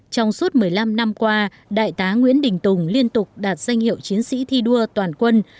trong suốt một mươi năm năm qua đại tá nguyễn đình tùng liên tục đạt danh hiệu chiến sĩ thi đua toàn quân